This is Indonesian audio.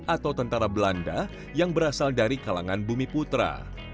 atau tentara belanda yang berasal dari kalangan bumi putra